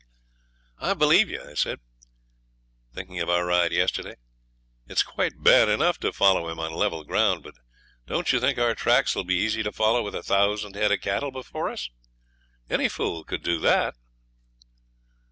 'I believe you,' I said, thinking of our ride yesterday. 'It's quite bad enough to follow him on level ground. But don't you think our tracks will be easy to follow with a thousand head of cattle before us? Any fool could do that.'